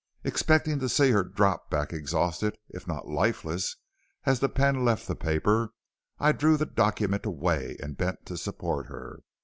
Expecting to see her drop back exhausted if not lifeless as the pen left the paper, I drew the document away and bent to support her.